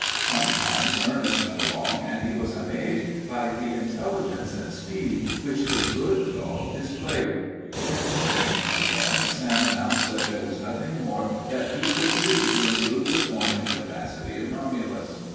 Sometimes Ernest went along and he was amazed by the intelligence and speed which his good dog displayed. When spring came again Sam announced that there was nothing more that he could do to improve the form and capacity of Romulus.